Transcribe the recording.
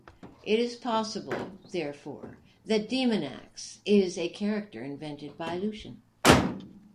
It is possible, therefore, that Demonax is a character invented by Lucian.